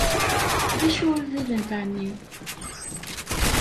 D acu i ɣilent εni?